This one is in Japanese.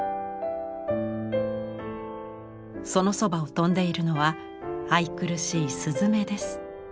そのそばを飛んでいるのは愛くるしい雀です。